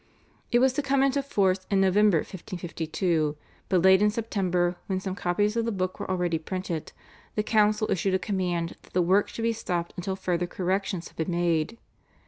It was to come into force in November 1552, but late in September, when some copies of the Book were already printed, the council issued a command that the work should be stopped until further corrections had been made.